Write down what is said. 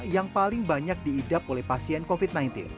yang paling banyak diidap oleh pasien covid sembilan belas